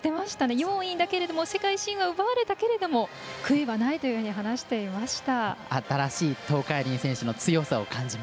４位だけれども世界新を奪われたけれども悔いはないというふうに話していました。